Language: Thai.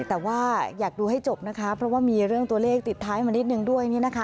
แต่ว่าอยากดูให้จบนะคะเพราะว่ามีเรื่องตัวเลขติดท้ายมานิดนึงด้วยนี่นะคะ